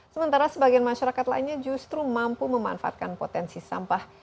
sementara sebagian masyarakat lainnya justru mampu memanfaatkan potensi sampah